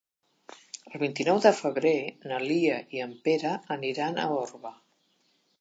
El vint-i-nou de febrer na Lia i en Pere aniran a Orba.